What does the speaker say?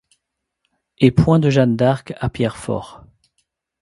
Et point de Jeanne d'Arc à Pierrefort.